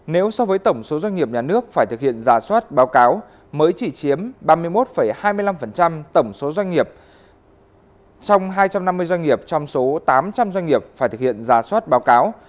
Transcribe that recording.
nếu so với tổng số doanh nghiệp nhà nước phải thực hiện giả soát báo cáo mới chỉ chiếm ba mươi một hai mươi năm tổng số doanh nghiệp trong hai trăm năm mươi doanh nghiệp trong số tám trăm linh doanh nghiệp phải thực hiện giả soát báo cáo